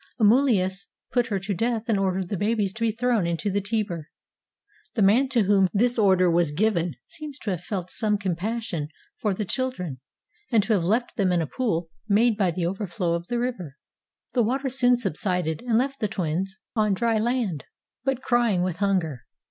Amulius put her to death and ordered th£ babies to be thrown into the Tiber. The man to whom this order was given seems to have felt some compassion for the children and to have left them in a pool made by the over flow of the river. The water soon subsided and left the twins on dry land, but crying with hunger.